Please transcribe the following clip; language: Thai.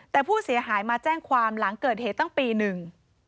แต่ผู้เสียหายมาแจ้งความหลังเกิดเหตุตั้งปีหนึ่ง